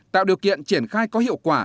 tạo điều kiện triển khai có hiệu quả